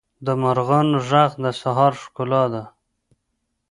د مرغانو ږغ د سهار ښکلا ده.